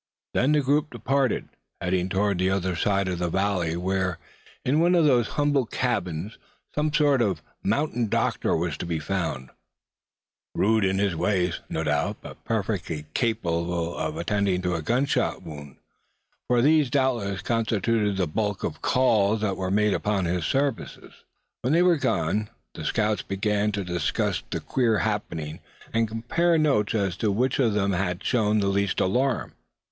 Then the group departed, heading toward the other side of the valley, where, in one of the humble cabins, some sort of mountain doctor was to be found, rude in his way, no doubt, but perfectly capable of attending to a gunshot wound; for these doubtless constituted the bulk of calls that were made upon his services. When they had gone the scouts began to discuss the queer happening, and compare notes as to which one of them had shown the least alarm.